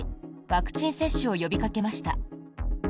ワクチン接種を呼びかけました。